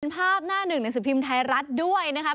ภาพหน้าหนึ่งหนังสือพิมพ์ไทยรัฐด้วยนะครับ